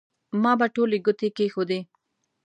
ما به ټولې ګوتې کېښودې.